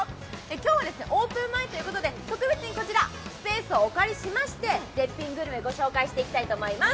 今日はオープン前ということで特別にスペースをお借りして絶品グルメをご紹介していきたいと思います。